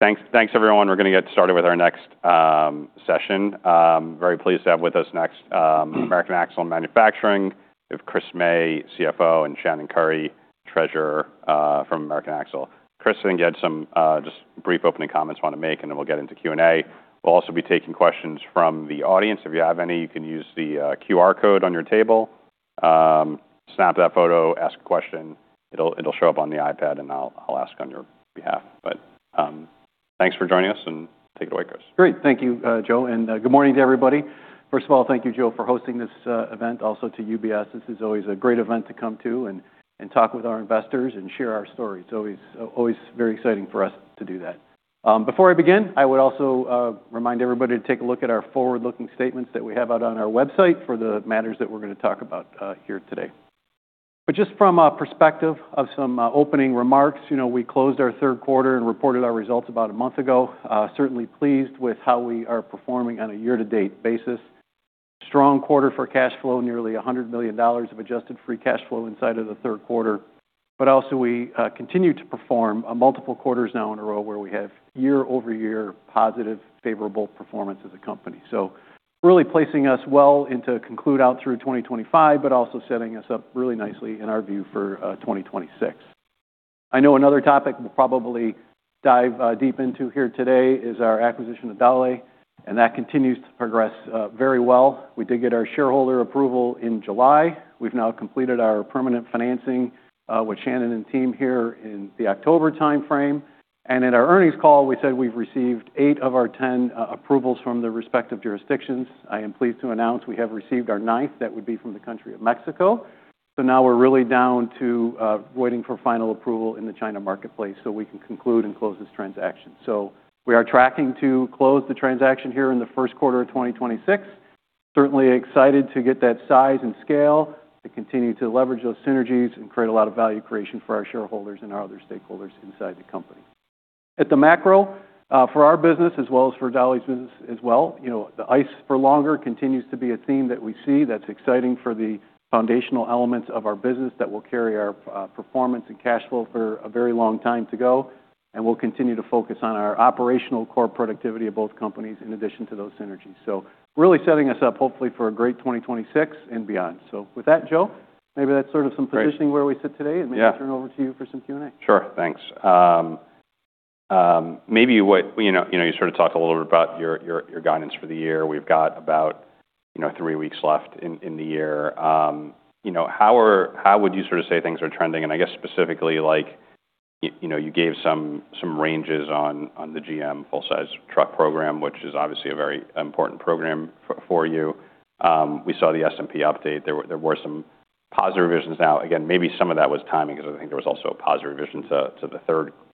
Thanks, thanks everyone. We're going to get started with our next session. Very pleased to have with us next, American Axle & Manufacturing with Chris May, CFO, and Shannon Curry, Treasurer, from American Axle. Chris, I think you had some just brief opening comments you want to make, and then we'll get into Q&A. We'll also be taking questions from the audience. If you have any, you can use the QR code on your table. Snap that photo, ask a question. It'll show up on the iPad, and I'll ask on your behalf. But, thanks for joining us, and take it away, Chris. Great. Thank you, Joe, and good morning to everybody. First of all, thank you, Joe, for hosting this event. Also to UBS, this is always a great event to come to and talk with our investors and share our story. It's always always very exciting for us to do that. Before I begin, I would also remind everybody to take a look at our forward-looking statements that we have out on our website for the matters that we're going to talk about here today. But just from a perspective of some opening remarks, you know, we closed our third quarter and reported our results about a month ago. Certainly pleased with how we are performing on a year-to-date basis. Strong quarter for cash flow, nearly $100 million of adjusted free cash flow inside of the third quarter. But also, we continue to perform multiple quarters now in a row where we have year-over-year positive, favorable performance as a company. So really placing us well into conclude out through 2025, but also setting us up really nicely in our view for 2026. I know another topic we'll probably dive deep into here today is our acquisition of Dowlais, and that continues to progress very well. We did get our shareholder approval in July. We've now completed our permanent financing with Shannon and team here in the October time frame. And in our earnings call, we said we've received eight of our 10 approvals from the respective jurisdictions. I am pleased to announce we have received our ninth, that would be from the country of Mexico. So now we're really down to waiting for final approval in the China marketplace so we can conclude and close this transaction. So we are tracking to close the transaction here in the first quarter of 2026. Certainly excited to get that size and scale, to continue to leverage those synergies and create a lot of value creation for our shareholders and our other stakeholders inside the company. At the macro, for our business as well as for Dowlais' business as well, you know, the ICE for longer continues to be a theme that we see that's exciting for the foundational elements of our business that will carry our performance and cash flow for a very long time to go. And we'll continue to focus on our operational core productivity of both companies in addition to those synergies. So really setting us up hopefully for a great 2026 and beyond. So with that, Joe, maybe that's sort of some positioning where we sit today. Yeah. Maybe turn over to you for some Q&A. Sure. Thanks. Maybe what you know, you sort of talked a little bit about your guidance for the year. We've got about, you know, three weeks left in the year. You know, how would you sort of say things are trending? And I guess specifically, like, you know, you gave some ranges on the GM full-size truck program, which is obviously a very important program for you. We saw the S&P update. There were some positive revisions now. Again, maybe some of that was timing because I think there was also a positive revision to the third quarter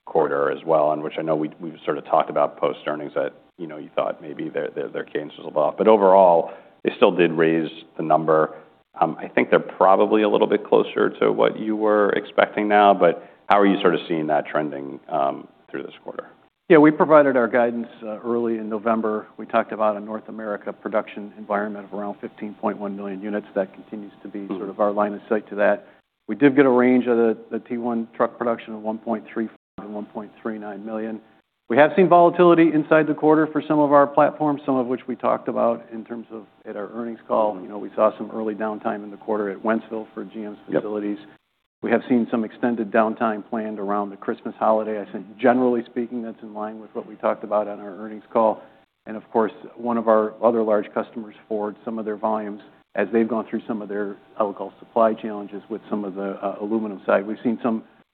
as well, in which I know we've sort of talked about post-earnings that, you know, you thought maybe their cadence was a lot. But overall, they still did raise the number. I think they're probably a little bit closer to what you were expecting now, but how are you sort of seeing that trending, through this quarter? Yeah. We provided our guidance, early in November. We talked about a North America production environment of around 15.1 million units. That continues to be sort of our line of sight to that. We did get a range of the T1 truck production of 1.35-1.39 million. We have seen volatility inside the quarter for some of our platforms, some of which we talked about in terms of at our earnings call. You know, we saw some early downtime in the quarter at Wentzville for GM's facilities. Yeah. We have seen some extended downtime planned around the Christmas holiday. I think generally speaking, that's in line with what we talked about on our earnings call, and of course, one of our other large customers, Ford, some of their volumes as they've gone through some of their, I'll call, supply challenges with some of the aluminum side. We've seen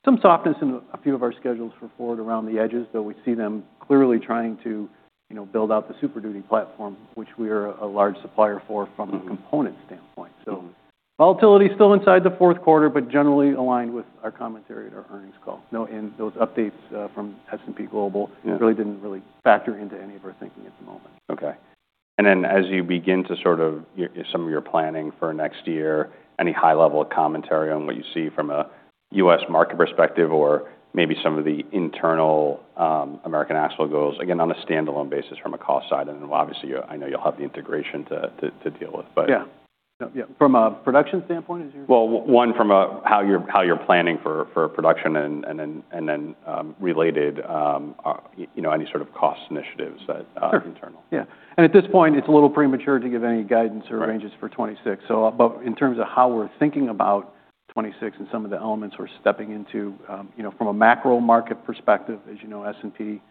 some softness in a few of our schedules for Ford around the edges, though we see them clearly trying to, you know, build out the Super Duty platform, which we are a large supplier for from a component standpoint, so volatility still inside the fourth quarter, but generally aligned with our commentary at our earnings call. No end. Those updates from S&P Global. Yeah. Really didn't factor into any of our thinking at the moment. Okay. And then as you begin to sort of some of your planning for next year, any high-level commentary on what you see from a U.S. market perspective or maybe some of the internal, American Axle goals, again, on a standalone basis from a cost side? And then obviously, you'll, I know you'll have the integration to deal with, but. From a production standpoint, is your question? One from how you're planning for production and then related, you know, any sort of cost initiatives that internal. Sure. Yeah, and at this point, it's a little premature to give any guidance or ranges for 2026. Yeah. But in terms of how we're thinking about 2026 and some of the elements we're stepping into, you know, from a macro market perspective, as you know, S&P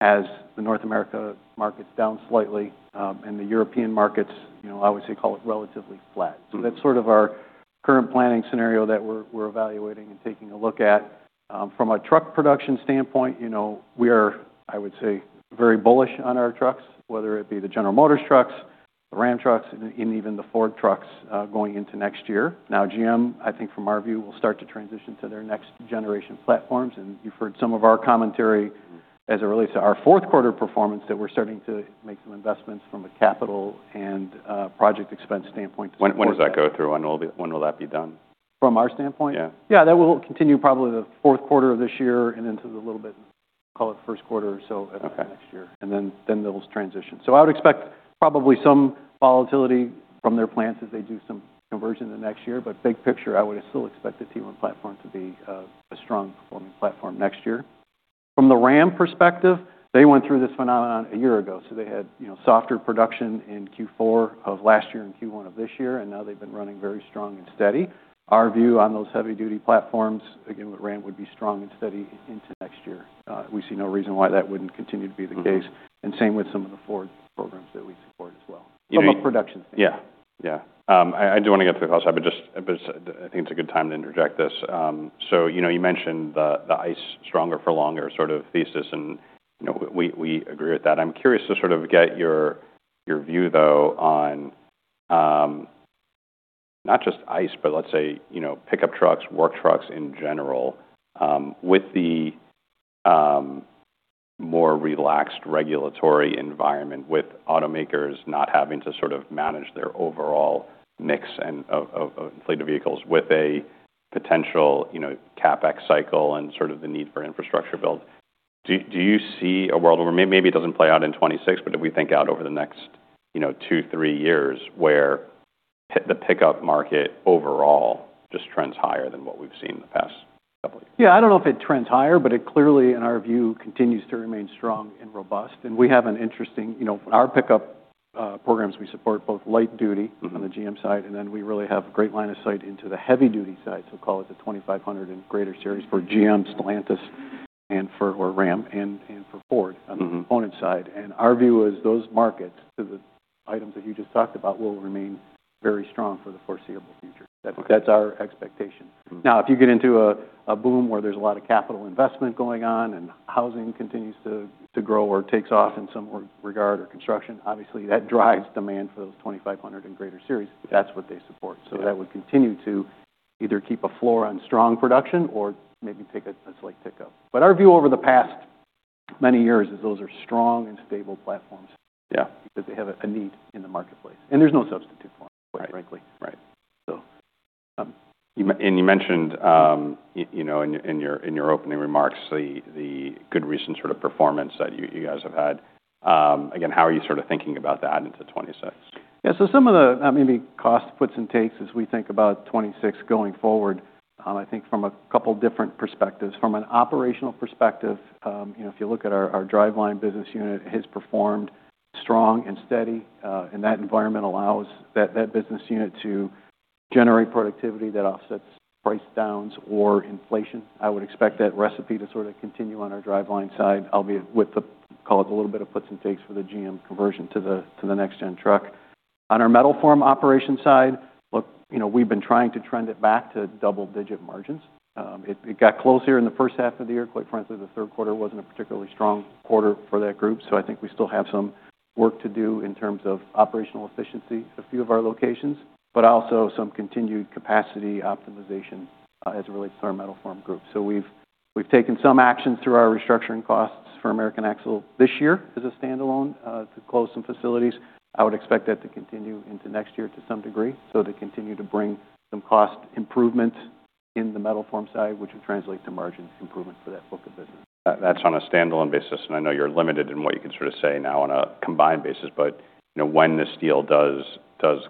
has the North America markets down slightly, and the European markets, you know, I would say call it relatively flat. Mm-hmm. So that's sort of our current planning scenario that we're evaluating and taking a look at. From a truck production standpoint, you know, we are, I would say, very bullish on our trucks, whether it be the General Motors trucks, the Ram trucks, and even the Ford trucks, going into next year. Now, GM, I think from our view, will start to transition to their next generation platforms. And you've heard some of our commentary as it relates to our fourth quarter performance that we're starting to make some investments from a capital and project expense standpoint to start. When does that go through? When will that be done? From our standpoint? Yeah. Yeah. That will continue probably the fourth quarter of this year and into a little bit, I'll call it first quarter or so of next year. Okay. Then those transitions. I would expect probably some volatility from their plans as they do some conversion in the next year. But big picture, I would still expect the T1 platform to be a strong performing platform next year. From the Ram perspective, they went through this phenomenon a year ago, so they had, you know, softer production in Q4 of last year and Q1 of this year, and now they've been running very strong and steady. Our view on those heavy-duty platforms, again, with Ram, would be strong and steady into next year. We see no reason why that wouldn't continue to be the case. Okay. And same with some of the Ford programs that we support as well. Yeah. Some of those production things. Yeah. Yeah. I do want to get to the cost side, but I think it's a good time to interject this, so you know, you mentioned the ICE stronger for longer sort of thesis, and you know, we agree with that. I'm curious to sort of get your view, though, on not just ICE, but let's say you know, pickup trucks, work trucks in general, with the more relaxed regulatory environment with automakers not having to sort of manage their overall mix and of electrified vehicles with a potential you know, CapEx cycle and sort of the need for infrastructure build. Do you see a world where maybe it doesn't play out in 2026, but if we think out over the next, you know, two, three years where the pickup market overall just trends higher than what we've seen in the past couple of years? Yeah. I don't know if it trends higher, but it clearly, in our view, continues to remain strong and robust, and we have an interesting, you know, our pickup, programs we support both light duty. Mm-hmm. On the GM side, and then we really have a great line of sight into the heavy-duty side. Call it the 2,500 and greater series for GM, Stellantis, or Ram, and for Ford. Mm-hmm. On the component side, and our view is those markets to the items that you just talked about will remain very strong for the foreseeable future. Okay. That's, that's our expectation. Mm-hmm. Now, if you get into a boom where there's a lot of capital investment going on and housing continues to grow or takes off in some regard or construction, obviously that drives demand for those 2500 and greater series if that's what they support. Yeah. So that would continue to either keep a floor on strong production or maybe take a slight tick up. But our view over the past many years is those are strong and stable platforms. Yeah. Because they have a need in the marketplace. And there's no substitute for them, quite frankly. Right. Right. So, And you mentioned, you know, in your opening remarks, the good recent sort of performance that you guys have had. Again, how are you sort of thinking about that into 2026? Yeah. So some of the, maybe cost puts and takes as we think about 2026 going forward, I think from a couple different perspectives. From an operational perspective, you know, if you look at our driveline business unit, it has performed strong and steady, and that environment allows that business unit to generate productivity that offsets price downs or inflation. I would expect that recipe to sort of continue on our driveline side, albeit with the, call it a little bit of puts and takes for the GM conversion to the next-gen truck. On our metal forming operation side, look, you know, we've been trying to trend it back to double-digit margins. It got closer in the first half of the year. Quite frankly, the third quarter wasn't a particularly strong quarter for that group. I think we still have some work to do in terms of operational efficiency at a few of our locations, but also some continued capacity optimization, as it relates to our metal forming group. We've taken some actions through our restructuring costs for American Axle this year as a standalone, to close some facilities. I would expect that to continue into next year to some degree. They continue to bring some cost improvements in the metal forming side, which would translate to margin improvement for that book of business. That's on a standalone basis. And I know you're limited in what you can sort of say now on a combined basis, but, you know, when the deal does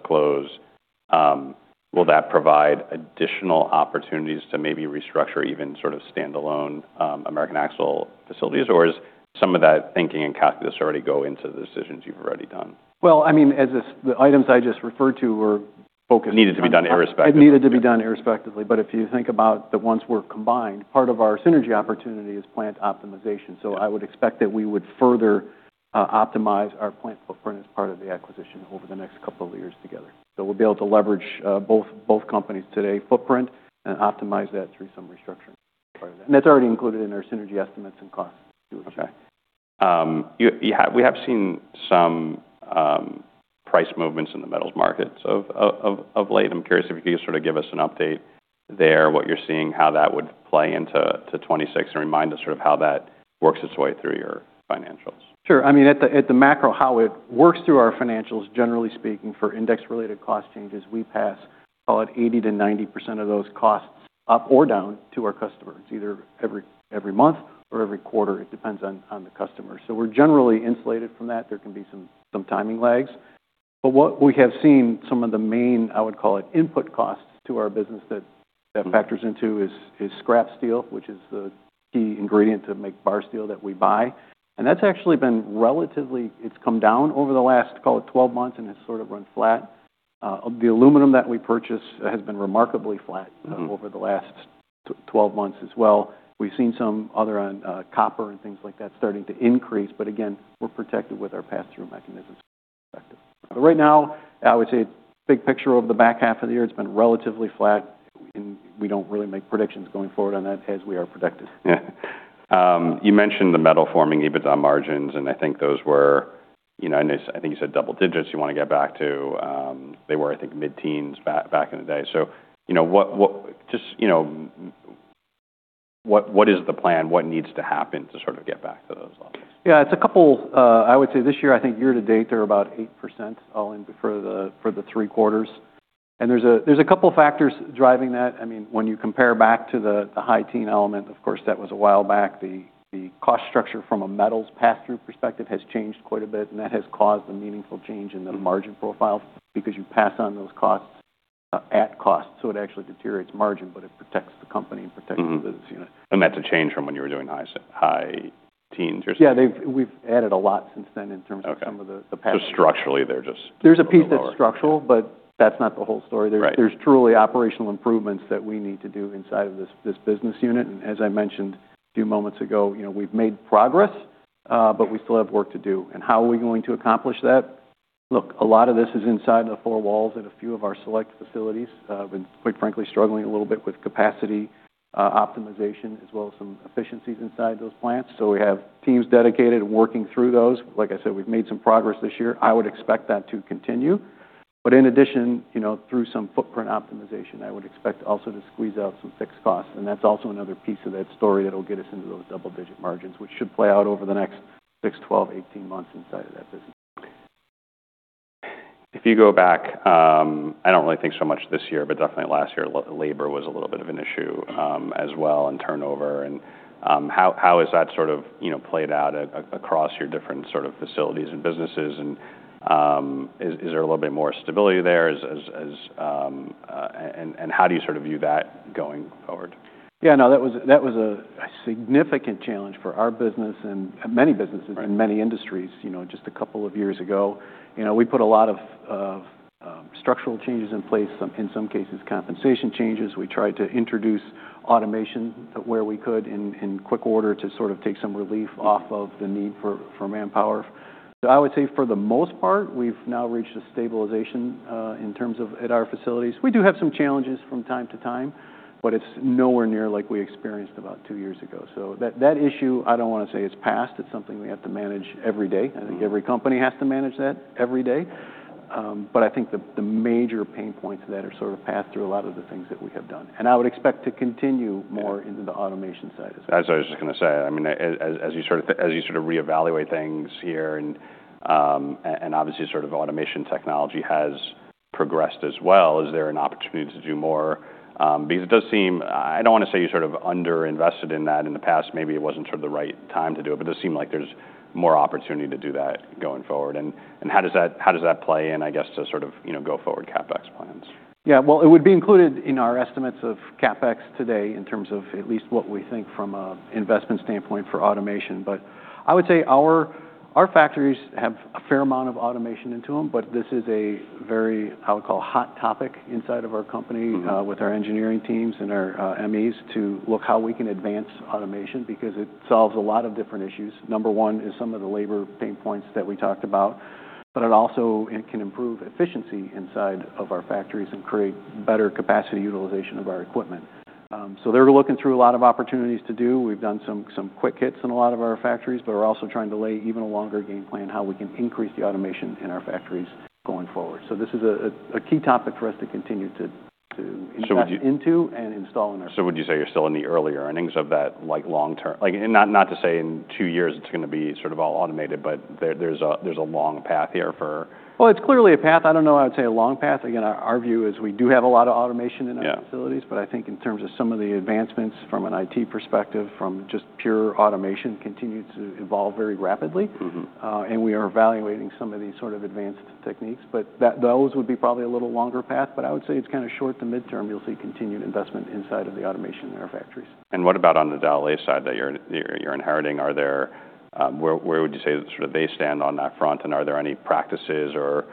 close, will that provide additional opportunities to maybe restructure even sort of standalone, American Axle facilities? Or is some of that thinking and calculus already go into the decisions you've already done? I mean, as the items I just referred to were focused. Needed to be done irrespective. It needed to be done irrespectively, but if you think about the ones we're combined, part of our synergy opportunity is plant optimization, so I would expect that we would further optimize our plant footprint as part of the acquisition over the next couple of years together, so we'll be able to leverage both companies' today's footprint and optimize that through some restructuring, part of that, and that's already included in our synergy estimates and cost. Okay. You have, we have seen some price movements in the metals markets of late. I'm curious if you could just sort of give us an update there, what you're seeing, how that would play into 2026, and remind us sort of how that works its way through your financials. Sure. I mean, at the macro, how it works through our financials, generally speaking, for index-related cost changes, we pass, call it 80%-90% of those costs up or down to our customers. It's either every month or every quarter. It depends on the customer. So we're generally insulated from that. There can be some timing lags. But what we have seen, some of the main, I would call it input costs to our business that factors into is scrap steel, which is the key ingredient to make bar steel that we buy. And that's actually been relatively. It's come down over the last, call it 12 months, and it's sort of run flat. The aluminum that we purchase has been remarkably flat. Mm-hmm. Over the last 12 months as well. We've seen some other one, copper and things like that starting to increase, but again, we're protected with our pass-through mechanisms. Right. Right now, I would say big picture over the back half of the year, it's been relatively flat. We don't really make predictions going forward on that as we are productive. Yeah. You mentioned the metal forming EBITDA margins, and I think those were, you know, and I think you said double digits you want to get back to. They were, I think, mid-teens back, back in the day. So, you know, what, what just, you know, what, what is the plan? What needs to happen to sort of get back to those levels? Yeah. It's a couple, I would say this year, I think year to date, they're about 8% all in for the three quarters. And there's a couple factors driving that. I mean, when you compare back to the high-teens element, of course, that was a while back, the cost structure from a metals pass-through perspective has changed quite a bit, and that has caused a meaningful change in the margin profile because you pass on those costs at cost. So it actually deteriorates margin, but it protects the company and protects the business unit. That's a change from when you were doing high, high-teens or something? Yeah. We've added a lot since then in terms of some of the pass-through. Okay. So structurally, they're just. There's a piece that's structural, but that's not the whole story. Right. There's truly operational improvements that we need to do inside of this business unit, and as I mentioned a few moments ago, you know, we've made progress, but we still have work to do, and how are we going to accomplish that? Look, a lot of this is inside the four walls at a few of our select facilities. We've been quite frankly struggling a little bit with capacity optimization, as well as some efficiencies inside those plants, so we have teams dedicated and working through those. Like I said, we've made some progress this year. I would expect that to continue, but in addition, you know, through some footprint optimization, I would expect also to squeeze out some fixed costs. That's also another piece of that story that'll get us into those double-digit margins, which should play out over the next 6, 12, 18 months inside of that business. If you go back, I don't really think so much this year, but definitely last year, labor was a little bit of an issue, as well, and turnover. And, how has that sort of, you know, played out across your different sort of facilities and businesses? And, is there a little bit more stability there as and how do you sort of view that going forward? Yeah. No, that was a significant challenge for our business and many businesses. Right. In many industries, you know, just a couple of years ago. You know, we put a lot of structural changes in place, some compensation changes in some cases. We tried to introduce automation where we could in quick order to sort of take some relief off of the need for manpower. So I would say for the most part, we've now reached a stabilization in terms of at our facilities. We do have some challenges from time to time, but it's nowhere near like we experienced about two years ago. So that issue, I don't want to say it's past. It's something we have to manage every day. I think every company has to manage that every day. But I think the major pain points that are sort of passed through a lot of the things that we have done. I would expect to continue more into the automation side as well. As I was just going to say, I mean, as you sort of reevaluate things here and obviously sort of automation technology has progressed as well, is there an opportunity to do more? Because it does seem, I don't want to say you sort of underinvested in that in the past. Maybe it wasn't sort of the right time to do it, but it does seem like there's more opportunity to do that going forward. How does that play in, I guess, to sort of, you know, go forward CapEx plans? Yeah, well, it would be included in our estimates of CapEx today in terms of at least what we think from an investment standpoint for automation. But I would say our factories have a fair amount of automation into them, but this is a very, I would call, hot topic inside of our company. Mm-hmm. With our engineering teams and our MEs to look how we can advance automation because it solves a lot of different issues. Number one is some of the labor pain points that we talked about, but it also can improve efficiency inside of our factories and create better capacity utilization of our equipment, so they're looking through a lot of opportunities to do. We've done some quick hits in a lot of our factories, but we're also trying to lay even a longer game plan, how we can increase the automation in our factories going forward. This is a key topic for us to continue to invest into and install in our factories. So would you say you're still in the early innings of that, like, long-term? Like, and not to say in two years it's going to be sort of all automated, but there's a long path here for. It's clearly a path. I don't know. I would say a long path. Again, our view is we do have a lot of automation in our facilities. Yeah. But I think in terms of some of the advancements from an IT perspective, from just pure automation continues to evolve very rapidly. Mm-hmm. And we are evaluating some of these sort of advanced techniques, but that those would be probably a little longer path. But I would say it's kind of short to midterm. You'll see continued investment inside of the automation in our factories. What about on the Dowlais side that you're inheriting? Are there, where would you say that sort of they stand on that front? And are there any practices or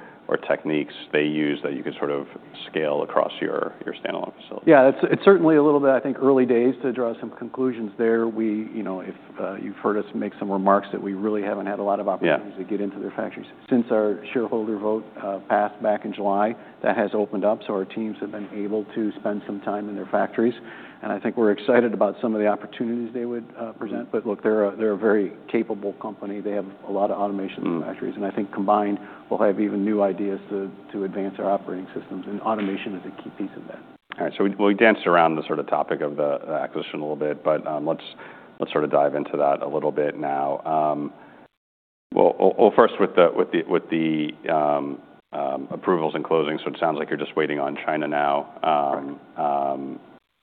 techniques they use that you could sort of scale across your standalone facility? Yeah. It's certainly a little bit, I think, early days to draw some conclusions there. We, you know, if you've heard us make some remarks that we really haven't had a lot of opportunities to get into their factories. Since our shareholder vote passed back in July, that has opened up, so our teams have been able to spend some time in their factories, and I think we're excited about some of the opportunities they would present. But look, they're a very capable company. They have a lot of automation in the factories, and I think combined, we'll have even new ideas to advance our operating systems, and automation is a key piece of that. All right. So we danced around the sort of topic of the acquisition a little bit, but let's sort of dive into that a little bit now. Well, first with the approvals and closing. So it sounds like you're just waiting on China now. Right.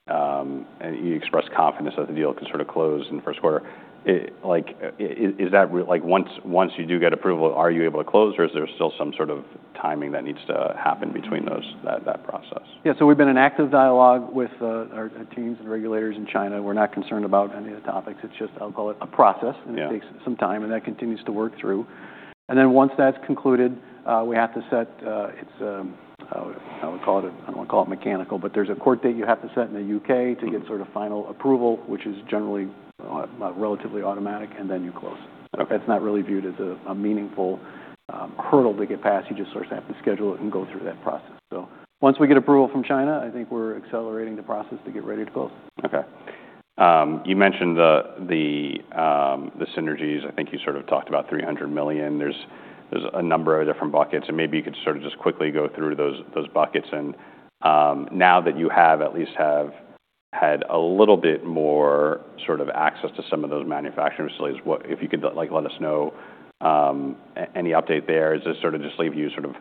And you expressed confidence that the deal can sort of close in the first quarter. It, like, is that really like once you do get approval, are you able to close? Or is there still some sort of timing that needs to happen between those, that process? Yeah. So we've been in active dialogue with our teams and regulators in China. We're not concerned about any of the topics. It's just, I'll call it a process. Yeah. And it takes some time, and that continues to work through. And then once that's concluded, we have to set, it's, I would call it a, I don't want to call it mechanical, but there's a court date you have to set in the U.K. to get sort of final approval, which is generally, relatively automatic, and then you close. Okay. That's not really viewed as a meaningful hurdle to get past. You just sort of have to schedule it and go through that process. So once we get approval from China, I think we're accelerating the process to get ready to close. Okay. You mentioned the synergies. I think you sort of talked about $300 million. There's a number of different buckets. And maybe you could sort of just quickly go through those buckets. Now that you have at least had a little bit more sort of access to some of those manufacturing facilities, what if you could like let us know any update there. Does this sort of just leave you sort of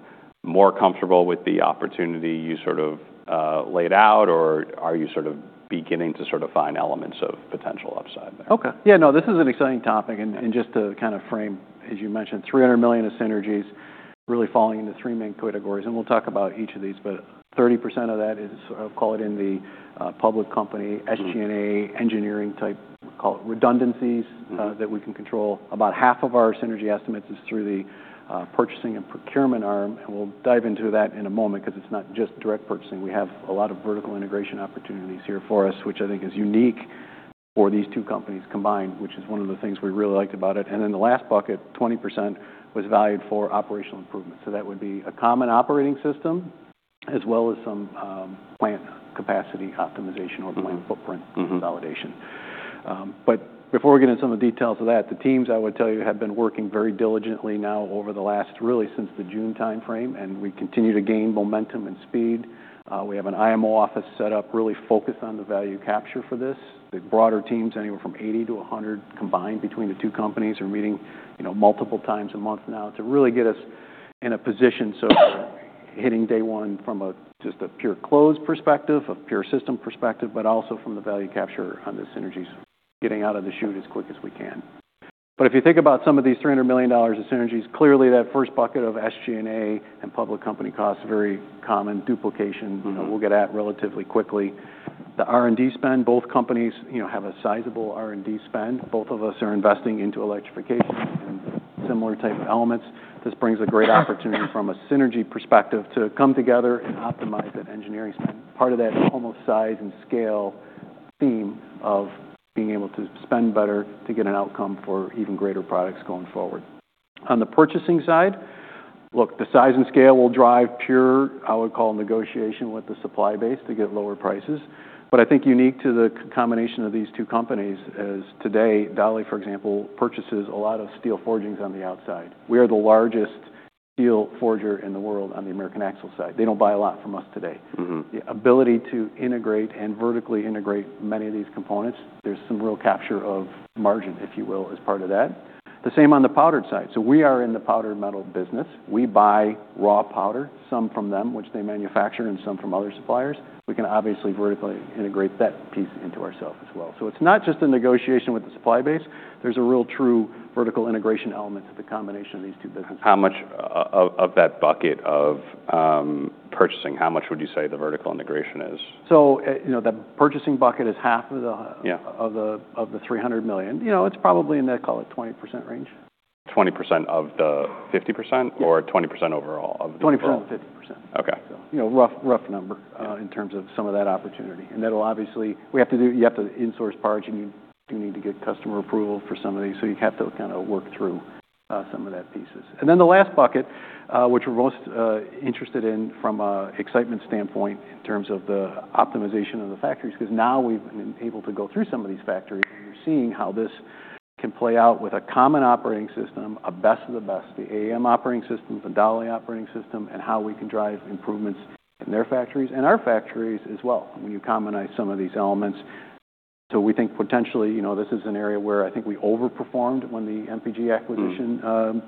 more comfortable with the opportunity you sort of laid out? Or are you sort of beginning to sort of find elements of potential upside there? Okay. Yeah. No, this is an exciting topic and, and just to kind of frame, as you mentioned, $300 million of synergies really falling into three main categories and we'll talk about each of these, but 30% of that is, I'll call it in the public company SG&A engineering type, we call it redundancies. Mm-hmm. that we can control. About half of our synergy estimates is through the purchasing and procurement arm. And we'll dive into that in a moment because it's not just direct purchasing. We have a lot of vertical integration opportunities here for us, which I think is unique for these two companies combined, which is one of the things we really liked about it. And then the last bucket, 20%, was valued for operational improvement. So that would be a common operating system as well as some plant capacity optimization or plant footprint. Mm-hmm. Validation. But before we get into some of the details of that, the teams, I would tell you, have been working very diligently now over the last, really since the June timeframe, and we continue to gain momentum and speed. We have an IMO office set up really focused on the value capture for this. The broader teams, anywhere from 80-100 combined between the two companies, are meeting, you know, multiple times a month now to really get us in a position so we're hitting day one from a just a pure close perspective, a pure system perspective, but also from the value capture on the synergies, getting out of the chute as quick as we can, but if you think about some of these $300 million of synergies, clearly that first bucket of SG&A and public company costs, very common duplication. Mm-hmm. You know, we'll get at it relatively quickly. The R&D spend, both companies, you know, have a sizable R&D spend. Both of us are investing into electrification and similar type of elements. This brings a great opportunity from a synergy perspective to come together and optimize that engineering spend. Part of that almost size and scale theme of being able to spend better to get an outcome for even greater products going forward. On the purchasing side, look, the size and scale will drive pure, I would call, negotiation with the supply base to get lower prices. But I think unique to the combination of these two companies is today, Dowlais, for example, purchases a lot of steel forgings on the outside. We are the largest steel forger in the world on the American Axle side. They don't buy a lot from us today. Mm-hmm. The ability to integrate and vertically integrate many of these components, there's some real capture of margin, if you will, as part of that. The same on the powder side. So we are in the powder metal business. We buy raw powder, some from them, which they manufacture, and some from other suppliers. We can obviously vertically integrate that piece into ourselves as well. So it's not just a negotiation with the supply base. There's a real true vertical integration element to the combination of these two businesses. How much of that bucket of purchasing would you say the vertical integration is? You know, the purchasing bucket is half of the. Yeah. Of the $300 million. You know, it's probably in the, call it, 20% range. 20% of the 50%? Yeah. Or 20% overall of the. 20% of the 50%. Okay. So, you know, rough, rough number, in terms of some of that opportunity. And that'll obviously. We have to do. You have to insource parts, and you do need to get customer approval for some of these. So you have to kind of work through some of that pieces. And then the last bucket, which we're most interested in from an excitement standpoint in terms of the optimization of the factories because now we've been able to go through some of these factories, and we're seeing how this can play out with a common operating system, a best of the best, the AM operating system, the Dowlais operating system, and how we can drive improvements in their factories and our factories as well when you commonize some of these elements. So we think potentially, you know, this is an area where I think we overperformed when the MPG acquisition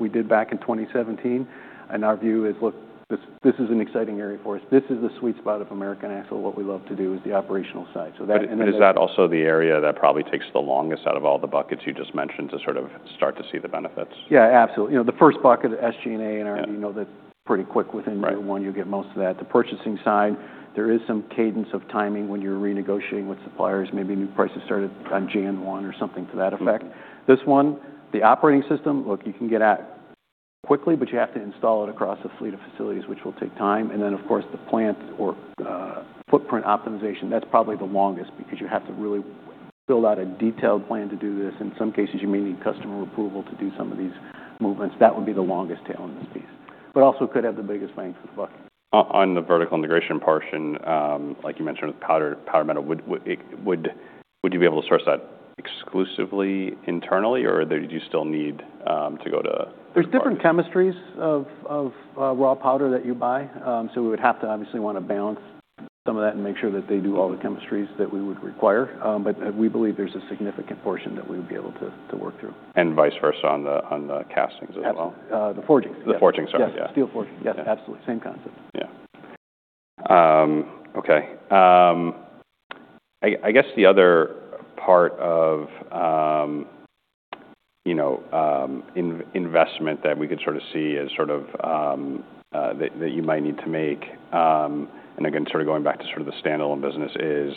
we did back in 2017. And our view is, look, this is an exciting area for us. This is the sweet spot of American Axle. What we love to do is the operational side. So that. Is that also the area that probably takes the longest out of all the buckets you just mentioned to sort of start to see the benefits? Yeah, absolutely. You know, the first bucket, SG&A and R&D, you know, that's pretty quick within. Right. Year one, you get most of that. The purchasing side, there is some cadence of timing when you're renegotiating with suppliers. Maybe new prices started on January 1 or something to that effect. Mm-hmm. This one, the operating system, look, you can get at quickly, but you have to install it across a fleet of facilities, which will take time. And then, of course, the plant or footprint optimization, that's probably the longest because you have to really build out a detailed plan to do this. In some cases, you may need customer approval to do some of these movements. That would be the longest tail in this piece, but also could have the biggest bang for the bucket. On the vertical integration portion, like you mentioned with powder metal, would you be able to source that exclusively internally? Or did you still need to go to. There's different chemistries of raw powder that you buy, so we would have to obviously want to balance some of that and make sure that they do all the chemistries that we would require, but we believe there's a significant portion that we would be able to work through. And vice versa on the castings as well. Casting, the forging. The forging side. Yeah. Yeah. Steel forging. Yeah. Yep. Absolutely. Same concept. Yeah. Okay. I guess the other part of, you know, investment that we could sort of see as sort of that you might need to make, and again, sort of going back to sort of the standalone business is,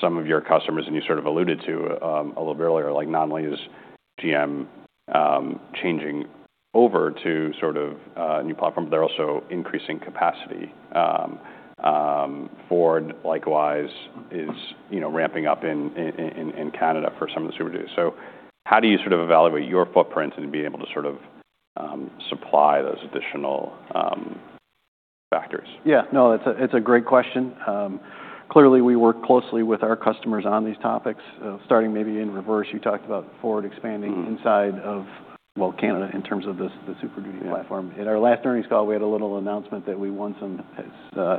some of your customers, and you sort of alluded to a little bit earlier, like notably GM, changing over to sort of a new platform, but they're also increasing capacity. Ford likewise is, you know, ramping up in Canada for some of the Super Duty. So how do you sort of evaluate your footprint and be able to sort of supply those additional factors? Yeah. No, that's a great question. Clearly, we work closely with our customers on these topics. Starting maybe in reverse, you talked about Ford expanding. Mm-hmm. Inside of, well, Canada in terms of this, the Super Duty platform. Yeah. In our last earnings call, we had a little announcement that we won some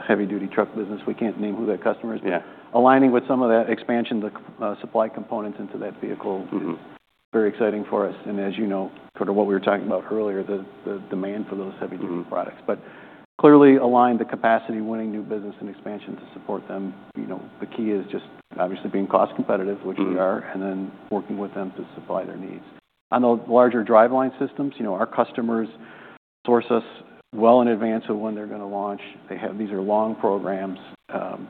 heavy-duty truck business. We can't name who that customer is. Yeah. But aligning with some of that expansion, the supply components into that vehicle. Mm-hmm. It's very exciting for us, and as you know, sort of what we were talking about earlier, the demand for those heavy-duty products, but clearly align the capacity-winning new business and expansion to support them. You know, the key is just obviously being cost-competitive, which we are. Mm-hmm. And then, working with them to supply their needs. On the larger driveline systems, you know, our customers source us well in advance of when they're going to launch. They have. These are long programs.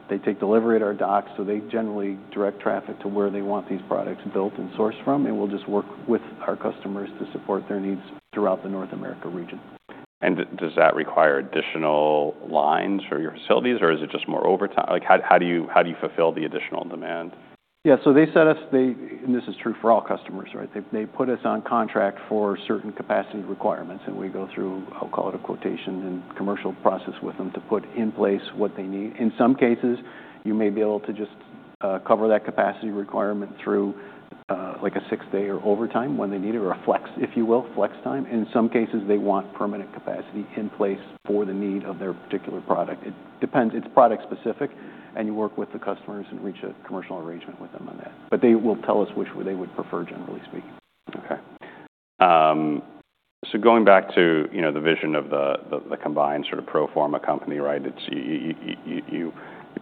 They take delivery at our docks. So they generally direct traffic to where they want these products built and sourced from. And we'll just work with our customers to support their needs throughout the North America region. Does that require additional lines for your facilities? Or is it just more overtime? Like, how do you fulfill the additional demand? Yeah. So they set us—and this is true for all customers, right? They put us on contract for certain capacity requirements. And we go through, I'll call it a quotation and commercial process with them to put in place what they need. In some cases, you may be able to just cover that capacity requirement through, like a six-day or overtime when they need it, or a flex, if you will, flex time. In some cases, they want permanent capacity in place for the need of their particular product. It depends. It's product-specific. And you work with the customers and reach a commercial arrangement with them on that. But they will tell us which way they would prefer, generally speaking. Okay. So going back to, you know, the vision of the combined sort of pro forma company, right? It's you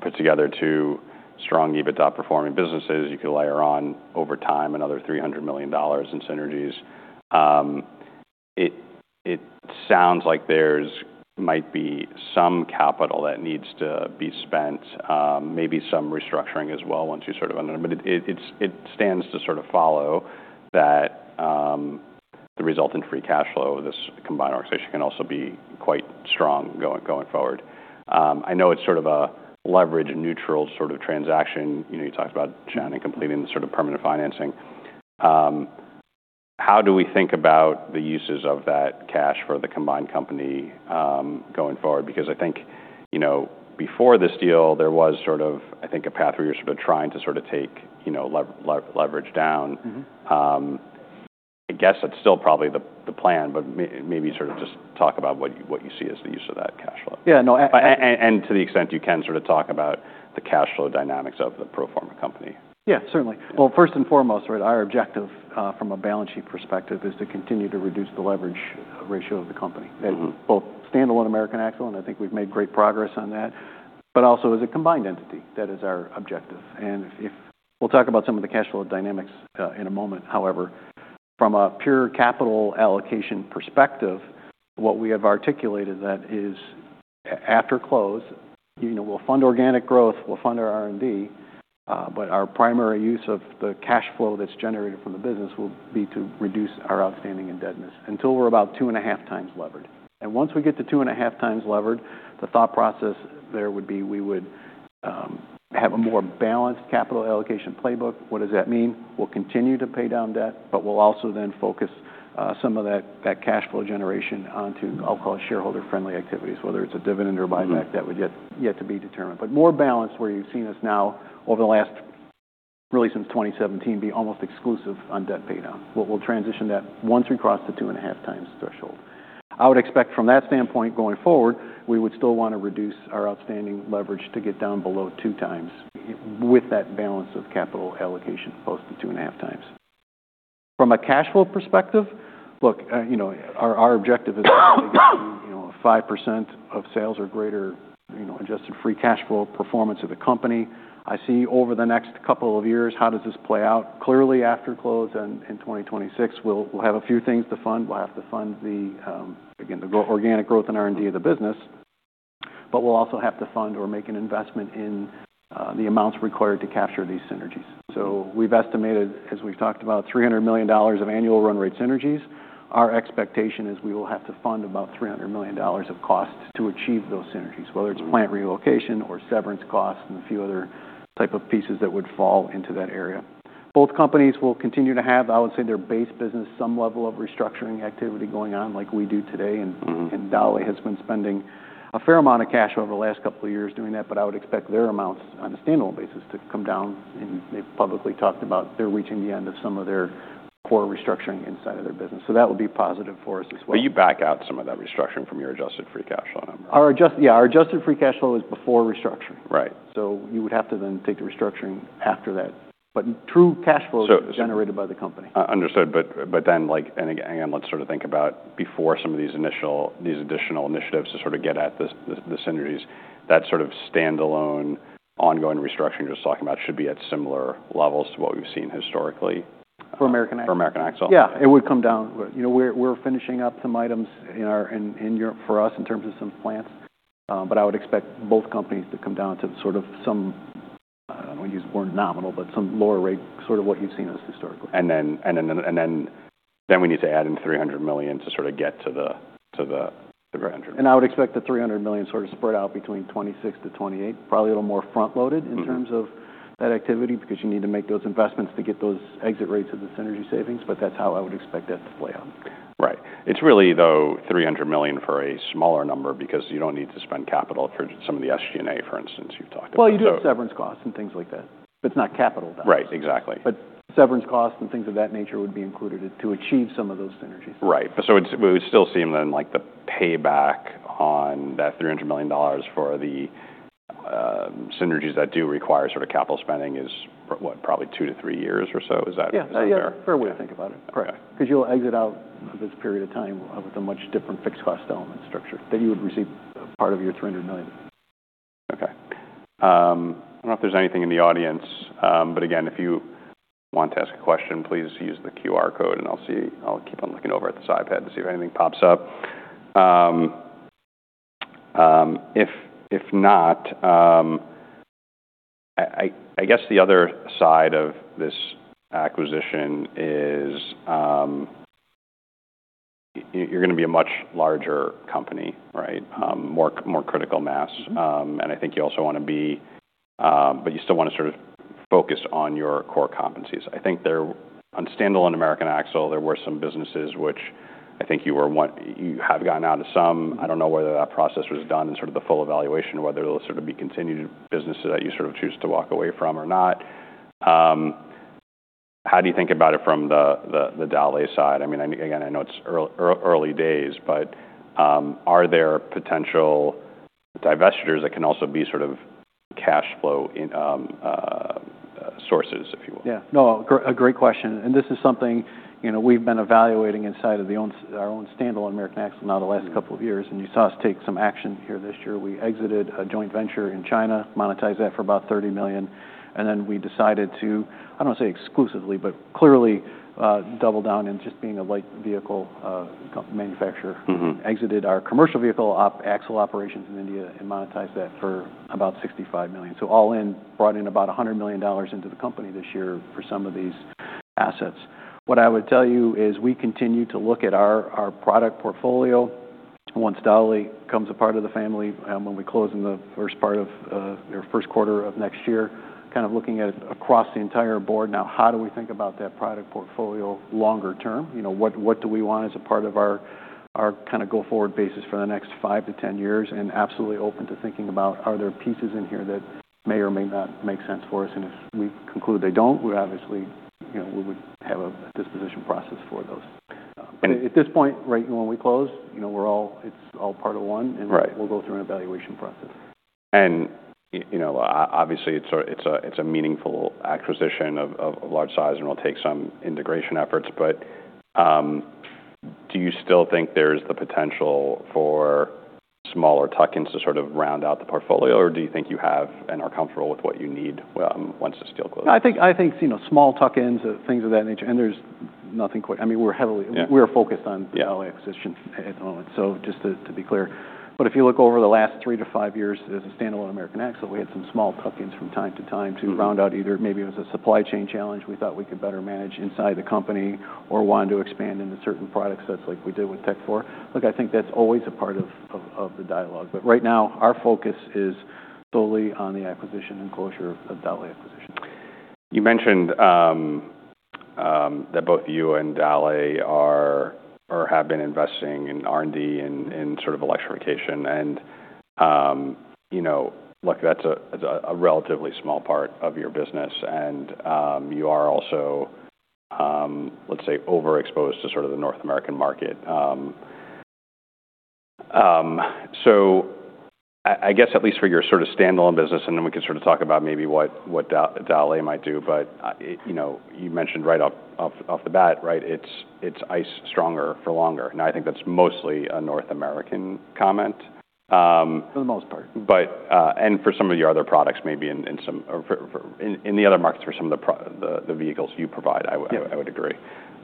put together two strong EBITDA-performing businesses. You could layer on over time another $300 million in synergies. It sounds like there might be some capital that needs to be spent, maybe some restructuring as well once you sort of undertake it. It stands to sort of follow that, the resultant free cash flow of this combined organization can also be quite strong going forward. I know it's sort of a leverage-neutral sort of transaction. You know, you talked about them and completing the sort of permanent financing. How do we think about the uses of that cash for the combined company, going forward? Because I think, you know, before this deal, there was sort of, I think, a path where you're sort of trying to sort of take, you know, leverage down. Mm-hmm. I guess that's still probably the plan, but maybe sort of just talk about what you see as the use of that cash flow. Yeah. No. To the extent you can sort of talk about the cash flow dynamics of the pro forma company. Yeah, certainly. First and foremost, right, our objective, from a balance sheet perspective is to continue to reduce the leverage ratio of the company. Mm-hmm. At both standalone American Axle, and I think we've made great progress on that, but also as a combined entity. That is our objective. And if we'll talk about some of the cash flow dynamics in a moment. However, from a pure capital allocation perspective, what we have articulated that is, after close, you know, we'll fund organic growth. We'll fund our R&D. But our primary use of the cash flow that's generated from the business will be to reduce our outstanding indebtedness until we're about two and a half times levered. And once we get to two and a half times levered, the thought process there would be we would have a more balanced capital allocation playbook. What does that mean? We'll continue to pay down debt, but we'll also then focus some of that, that cash flow generation onto, I'll call it, shareholder-friendly activities, whether it's a dividend or buyback. Mm-hmm. That would yet to be determined. But more balanced where you've seen us now over the last, really since 2017, be almost exclusive on debt paydown. Well, we'll transition that once we cross the two and a half times threshold. I would expect from that standpoint going forward, we would still want to reduce our outstanding leverage to get down below two times with that balance of capital allocation posted two and a half times. From a cash flow perspective, look, you know, our objective is to, you know, 5% of sales or greater, you know, adjusted free cash flow performance of the company. I see over the next couple of years, how does this play out? Clearly, after close in 2026, we'll have a few things to fund. We'll have to fund the, again, the organic growth and R&D of the business. But we'll also have to fund or make an investment in the amounts required to capture these synergies. So we've estimated, as we've talked about, $300 million of annual run rate synergies. Our expectation is we will have to fund about $300 million of costs to achieve those synergies, whether it's plant relocation or severance costs and a few other type of pieces that would fall into that area. Both companies will continue to have, I would say, their base business, some level of restructuring activity going on like we do today. Mm-hmm. Dowlais has been spending a fair amount of cash over the last couple of years doing that. I would expect their amounts on a standalone basis to come down. They've publicly talked about they're reaching the end of some of their core restructuring inside of their business. That would be positive for us as well. But you back out some of that restructuring from your adjusted free cash flow number? Our adjusted, yeah, our adjusted free cash flow is before restructuring. Right. You would have to then take the restructuring after that. But true cash flow. So. Is generated by the company. Understood. But then, like, and again, let's sort of think about before some of these initial additional initiatives to sort of get at this, the synergies, that sort of standalone ongoing restructuring you're just talking about should be at similar levels to what we've seen historically. For American Axle. For American Axle? Yeah. It would come down. You know, we're finishing up some items in our infrastructure for us in terms of some plants. But I would expect both companies to come down to sort of some, I don't want to use the word nominal, but some lower rate, sort of what you've seen us historically. And then we need to add in $300 million to sort of get to the $300 million. I would expect the $300 million sort of spread out between 2026 to 2028, probably a little more front-loaded in terms of. Mm-hmm. That activity because you need to make those investments to get those exit rates of the synergy savings. But that's how I would expect that to play out. Right. It's really, though, $300 million for a smaller number because you don't need to spend capital for some of the SG&A, for instance, you've talked about. You do have severance costs and things like that. It's not capital though. Right. Exactly. But severance costs and things of that nature would be included to achieve some of those synergies. Right. But so it's, we would still see them then like the payback on that $300 million for the synergies that do require sort of capital spending is, what, probably two to three years or so. Is that? Yeah. Fair way to think about it. Correct. Because you'll exit out of this period of time with a much different fixed cost element structure that you would receive part of your $300 million. Okay. I don't know if there's anything in the audience, but again, if you want to ask a question, please use the QR code. I'll see. I'll keep on looking over at this iPad to see if anything pops up. If not, I guess the other side of this acquisition is, you're going to be a much larger company, right? More critical mass. I think you also want to be, but you still want to sort of focus on your core competencies. I think, on standalone American Axle, there were some businesses which I think you were one. You have gotten out of some. I don't know whether that process was done in sort of the full evaluation, whether those sort of be continued businesses that you sort of choose to walk away from or not. How do you think about it from the Dowlais side? I mean, I knew, again, I know it's early days, but are there potential divestitures that can also be sort of cash flow in sources, if you will? Yeah. No, a great question. And this is something, you know, we've been evaluating inside of our own standalone American Axle now the last couple of years. And you saw us take some action here this year. We exited a joint venture in China, monetized that for about $30 million. And then we decided to, I don't want to say exclusively, but clearly, double down in just being a light vehicle manufacturer. Mm-hmm. Exited our commercial vehicle axle operations in India and monetized that for about $65 million. So all in, brought in about $100 million into the company this year for some of these assets. What I would tell you is we continue to look at our product portfolio once Dowlais becomes a part of the family. When we close in the first part of, or first quarter of next year, kind of looking at it across the entire board. Now, how do we think about that product portfolio longer term? You know, what do we want as a part of our kind of go forward basis for the next five to 10 years? We are absolutely open to thinking about, are there pieces in here that may or may not make sense for us? And if we conclude they don't, we obviously, you know, we would have a disposition process for those. And at this point, right when we close, you know, we're all, it's all part of one. Right. We'll go through an evaluation process. You know, obviously, it's a meaningful acquisition of large size and will take some integration efforts. Do you still think there's the potential for smaller tuck-ins to sort of round out the portfolio? Or do you think you have and are comfortable with what you need, once the deal closes? I think, you know, small tuck-ins or things of that nature. And there's nothing quite, I mean, we're heavily focused on Dowlais acquisition at the moment. So just to be clear. But if you look over the last three to five years as a standalone American Axle, we had some small tuck-ins from time to time to round out either maybe it was a supply chain challenge we thought we could better manage inside the company or wanted to expand into certain products that's like we did with Tekfor. Look, I think that's always a part of the dialogue. But right now, our focus is solely on the acquisition and closure of Dowlais acquisition. You mentioned that both you and Dowlais are, or have been, investing in R&D and sort of electrification. And, you know, look, that's a relatively small part of your business. And, you are also, let's say, overexposed to sort of the North American market. So I guess at least for your sort of standalone business, and then we could sort of talk about maybe what Dowlais might do. But, you know, you mentioned right off the bat, right? It's ICE stronger for longer. And I think that's mostly a North American comment. For the most part. But and for some of your other products maybe in some or for in the other markets for some of the pro the vehicles you provide, I would agree.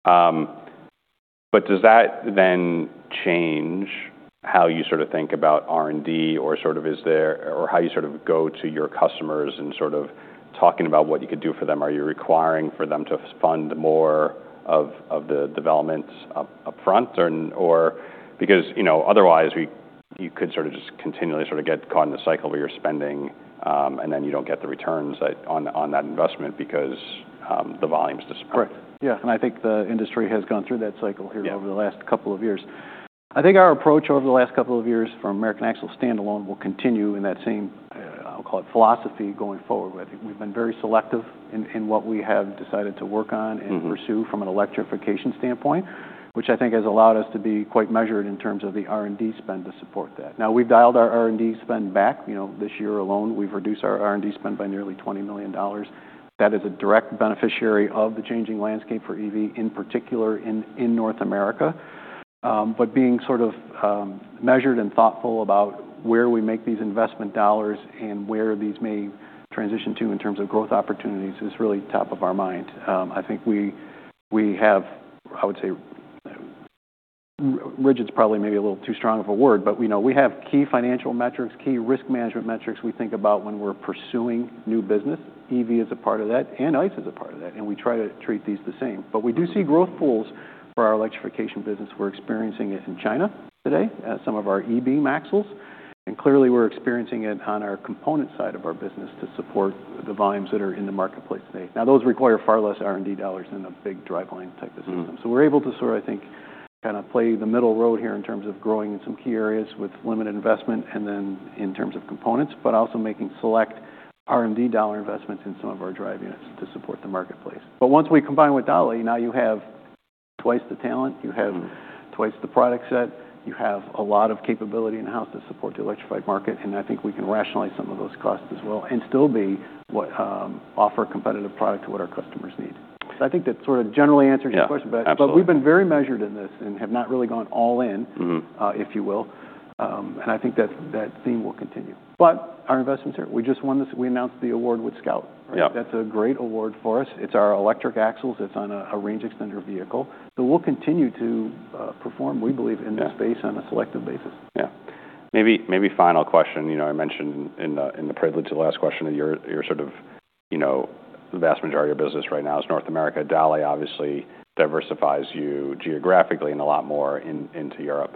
But does that then change how you sort of think about R&D or sort of is there or how you sort of go to your customers and sort of talking about what you could do for them? Are you requiring for them to fund more of the developments upfront or because you know otherwise you could sort of just continually sort of get caught in the cycle where you're spending and then you don't get the returns on that investment because the volume's disappointing. Correct. Yeah. And I think the industry has gone through that cycle here over the last couple of years. I think our approach over the last couple of years for American Axle standalone will continue in that same, I'll call it philosophy going forward. I think we've been very selective in what we have decided to work on and pursue from an electrification standpoint, which I think has allowed us to be quite measured in terms of the R&D spend to support that. Now, we've dialed our R&D spend back. You know, this year alone, we've reduced our R&D spend by nearly $20 million. That is a direct beneficiary of the changing landscape for EV in particular in North America. But being sort of measured and thoughtful about where we make these investment dollars and where these may transition to in terms of growth opportunities is really top of our mind. I think we have, I would say, rigidness probably maybe a little too strong of a word, but you know, we have key financial metrics, key risk management metrics we think about when we're pursuing new business. EV is a part of that, and ICE is a part of that. And we try to treat these the same. But we do see growth pools for our electrification business. We're experiencing it in China today at some of our e-Beam axles. And clearly, we're experiencing it on our component side of our business to support the volumes that are in the marketplace today. Now, those require far less R&D dollars than a big driveline type of system. We're able to sort of, I think, kind of play the middle road here in terms of growing in some key areas with limited investment and then in terms of components, but also making select R&D dollar investments in some of our drive units to support the marketplace. But once we combine with Dowlais, now you have twice the talent. You have twice the product set. You have a lot of capability in-house to support the electrified market. And I think we can rationalize some of those costs as well and still be what, offer a competitive product to what our customers need. That sort of generally answers your question. Absolutely. But we've been very measured in this and have not really gone all in, if you will. And I think that theme will continue. But our investments here, we just won this. We announced the award with Scout. Yeah. That's a great award for us. It's our electric axles. It's on a range extender vehicle. So we'll continue to perform, we believe, in this space on a selective basis. Yeah. Maybe, maybe final question. You know, I mentioned in the, in the previous of the last question that you're, you're sort of, you know, the vast majority of business right now is North America. Dowlais obviously diversifies you geographically and a lot more in, into Europe.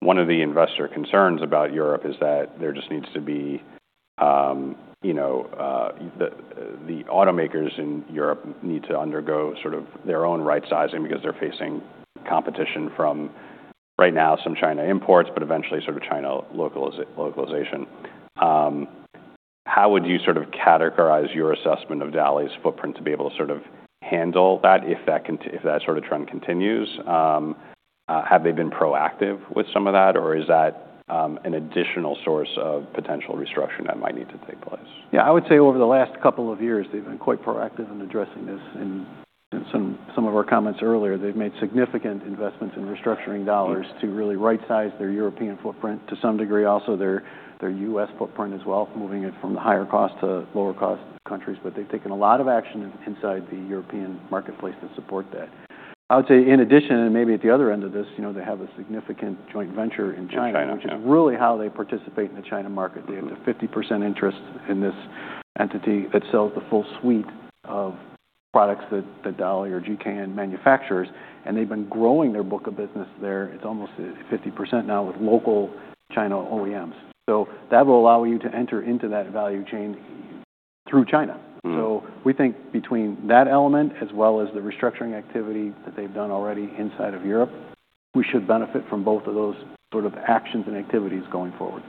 One of the investor concerns about Europe is that there just needs to be, you know, the, the automakers in Europe need to undergo sort of their own right sizing because they're facing competition from right now some China imports, but eventually sort of China localization. How would you sort of categorize your assessment of Dowlais' footprint to be able to sort of handle that if that, if that sort of trend continues? Have they been proactive with some of that? Or is that, an additional source of potential restructuring that might need to take place? Yeah. I would say over the last couple of years, they've been quite proactive in addressing this. And in some, some of our comments earlier, they've made significant investments in restructuring dollars to really right size their European footprint to some degree, also their, their U.S. footprint as well, moving it from the higher cost to lower cost countries. But they've taken a lot of action inside the European marketplace to support that. I would say in addition, and maybe at the other end of this, you know, they have a significant joint venture in China. In China. Which is really how they participate in the China market. They have a 50% interest in this entity that sells the full suite of products that Dowlais or GKN manufacturers, and they've been growing their book of business there. It's almost 50% now with local China OEMs, so that will allow you to enter into that value chain through China, so we think between that element as well as the restructuring activity that they've done already inside of Europe, we should benefit from both of those sort of actions and activities going forward.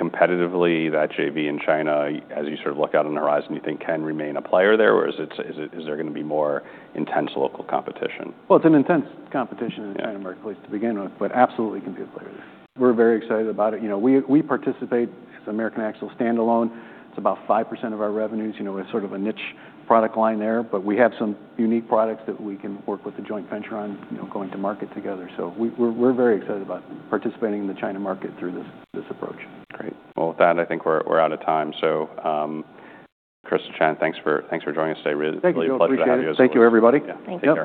Competitively, that JV in China, as you sort of look out on the horizon, you think can remain a player there? Or is it, is there going to be more intense local competition? It's an intense competition in the China marketplace to begin with, but absolutely can be a player there. We're very excited about it. You know, we participate as American Axle standalone. It's about 5% of our revenues. You know, we have sort of a niche product line there. But we have some unique products that we can work with the joint venture on, you know, going to market together. So we're very excited about participating in the China market through this approach. Great. Well, with that, I think we're out of time, so Chris and Shannon, thanks for joining us today. Really a pleasure. Thank you. Thank you, everybody. Yeah. Thank you.